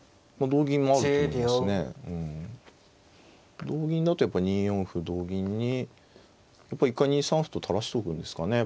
同銀だと２四歩同銀にやっぱり一回２三歩と垂らしておくんですかね。